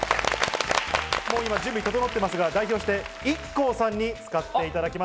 準備整ってますが、代表してＩＫＫＯさんに使っていただきます。